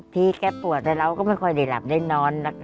พี่แกปวดแต่เราก็ไม่ค่อยได้หลับได้นอนนะคะ